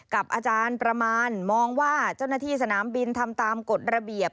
กับอาจารย์ประมาณมองว่าเจ้าหน้าที่สนามบินทำตามกฎระเบียบ